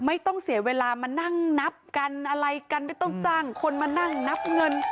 ไม่ต้องเสียเวลามานั่งนับกันอะไรกันไม่ต้องจ้างคนมานั่งนับเงิน